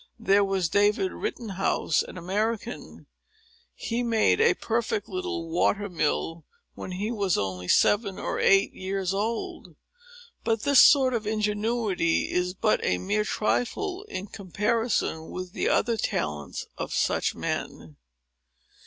There was David Rittenhouse, an American,—he made a perfect little water mill, when he was only seven or eight years old. But this sort of ingenuity is but a mere trifle in comparison with the other talents of such men."